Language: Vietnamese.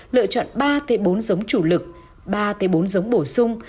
lựa chọn ba bốn giống chủ lực ba bốn giống bổ sung